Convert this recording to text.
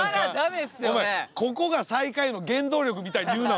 ここが最下位の原動力みたいに言うな！